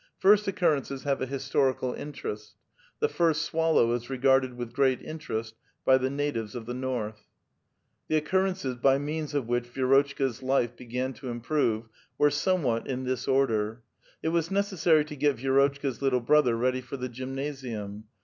First occurrences have a historical interest. The first swallow is regarded with great interest by the natives of the North. The occurrences by means of which Vidrotchka's life began to improve were somewhat in this order : It was necessary to get Vi^*rotchka*s little brother ready for the gymnasium.